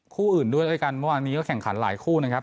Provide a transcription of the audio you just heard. คู่อื่นด้วยด้วยกันเมื่อวานนี้ก็แข่งขันหลายคู่นะครับ